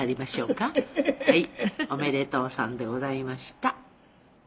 「おめでとうさんでございました」